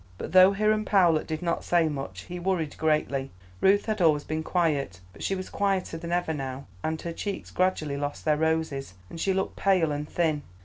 But though Hiram Powlett did not say much, he worried greatly. Ruth had always been quiet, but she was quieter than ever now, and her cheeks gradually lost their roses, and she looked pale and thin.